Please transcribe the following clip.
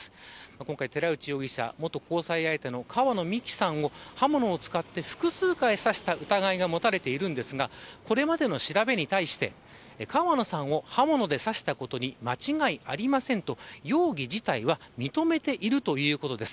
今回、寺内容疑者、元交際相手の川野美樹さんを刃物を使って複数回刺した疑いが持たれているんですがこれまでの調べに対して川野さんを刃物で刺したことに間違いありませんと容疑自体は認めているということです。